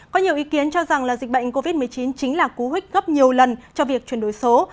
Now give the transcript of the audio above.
có nhiều ý kiến cho rằng dịch bệnh covid một mươi chín chính là cú huyết gấp nhiều lần cho việc chuyển đổi số